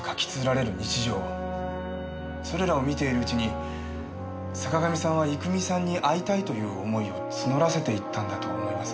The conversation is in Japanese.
それらを見ているうちに坂上さんは郁美さんに会いたいという思いを募らせていったんだと思います。